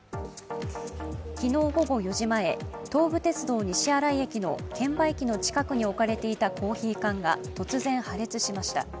昨日午後４時前、東武鉄道・西新井駅の券売機の近くに置かれていたコーヒー缶が突然破裂しました。